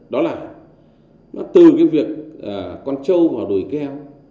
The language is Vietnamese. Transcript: đó là nó từ cái việc con trâu vào đùi keo